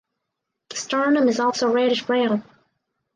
The sternum is also reddish brown.